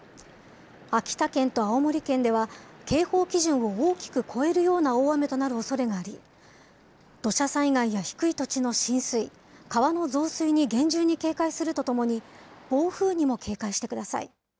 秋田県と青森県では、警報基準を大きく超えるような大雨となるおそれがあり、土砂災害や低い土地の浸水、川の増水に厳重に警戒するとともに、暴風にも警戒してください。